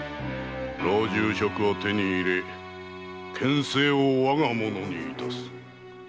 老中職を手に入れ権勢を我がものにいたす。